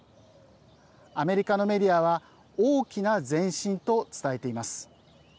アメリカのメディアは大きな前進と伝えています。